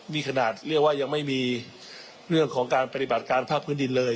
มีขนาดเรียกว่ายังไม่มีเรื่องของการปฏิบัติการภาคพื้นดินเลย